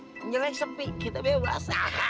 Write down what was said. yang jelek sepi kita bebas